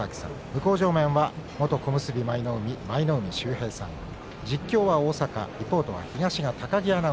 向正面は元小結舞の海の舞の海秀平さんです。